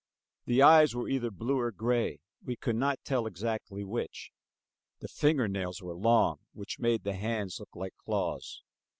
The eyes were either blue or gray, we could not tell exactly which. The finger nails were long, which made the hands look like claws.